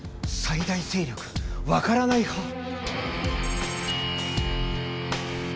最大勢力わからない派！